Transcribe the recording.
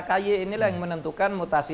ky inilah yang menentukan mutasi